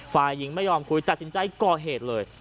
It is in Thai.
ฝ่ายหญิงไม่ยอมคุยตัดสินใจก่อเหตุเลย